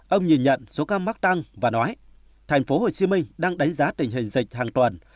ông nhìn nhận số ca mắc tăng và nói tp hcm đang đánh giá tình hình dịch hàng tuần